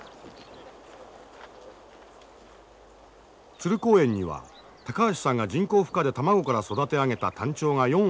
鶴公園には高橋さんが人工孵化で卵から育て上げたタンチョウが４羽いる。